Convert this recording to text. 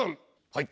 はい。